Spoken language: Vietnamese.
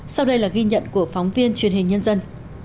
sau đây là ghi nhận của phóng viên truyền hình nhân dân